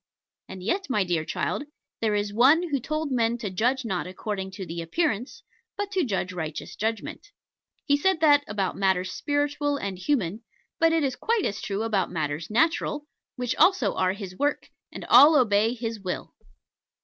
And yet, my dear child, there is One who told men to judge not according to the appearance, but to judge righteous judgment. He said that about matters spiritual and human: but it is quite as true about matters natural, which also are His work, and all obey His will.